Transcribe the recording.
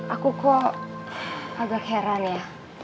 aku kok agak heran ya